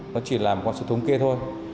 nó chỉ là một con số thống kê thôi